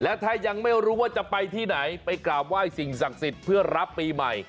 และถ้ายังไม่รู้ว่าจะไปที่ไหนไปกราบไหว้สิ่งศักดิ์สิทธิ์เพื่อรับปีใหม่